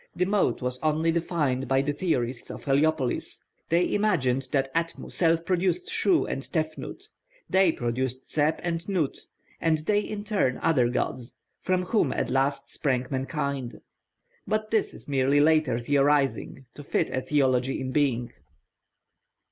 The mode was only defined by the theorists of Heliopolis; they imagined that Atmu self produced Shu and Tefnut, they produced Seb and Nut, and they in turn other gods, from whom at last sprang mankind. But this is merely later theorising to fit a theology in being.